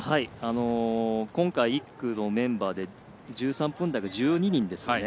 今回、１区のメンバーで１３分台が１２人ですよね。